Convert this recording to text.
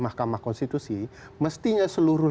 mahkamah konstitusi mestinya seluruh